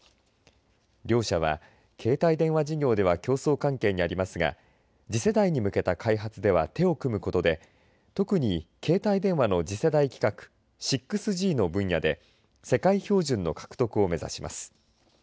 両社は携帯電話事業では競争関係にありますが次世代に向けた開発では手を組むことで特に携帯電話の次世代規格６Ｇの分野で世界標準の獲得を目指します。